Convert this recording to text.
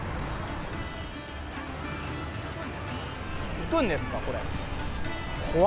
行くんですか、これ。